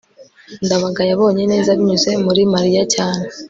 ndabaga yabonye neza binyuze muri mariya cyane